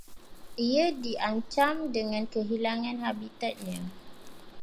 Ia diancam dengan kehilangan habitatnya